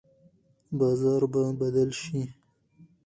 بازار به بدل شي.